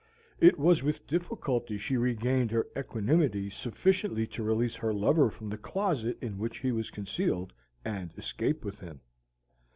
It was with difficulty she regained her equanimity sufficiently to release her lover from the closet in which he was concealed and escape with him.